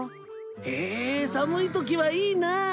へえ寒いときはいいなぁ。